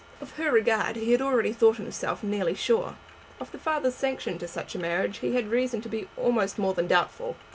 Of her regard he had already thought himself nearly sure. Of the father's sanction to such a marriage he had reason to be almost more than doubtful.